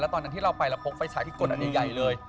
ตอนนั้นที่เราไปเราพกไฟฉายที่กดอันใหญ่เลย